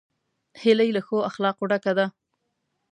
هیلۍ له ښو اخلاقو ډکه ده